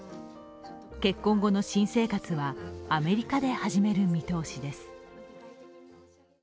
結婚後の新生活はアメリカで始める見通しです。